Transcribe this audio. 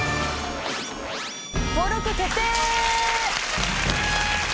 登録決定！